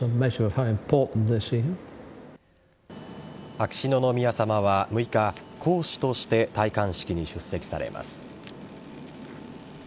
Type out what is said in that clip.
秋篠宮さまは６日皇嗣として戴冠式に出席されます。